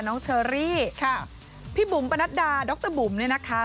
น้องเชอรี่พี่บุ๋มปันนัดดาดรบุ๋มนี่นะคะ